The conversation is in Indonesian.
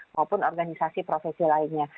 maupun organisasi profesi lainnya